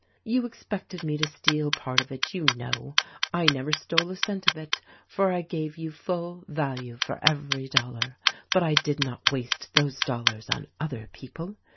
You expected me to steal part of it, you know. I never stole a cent of it, for I gave you full value for every dollar ; but I did not waste those dollars on other people.